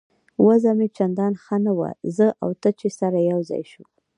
وضع مې چندانې ښه نه وه، زه او ته چې سره یو ځای شوو.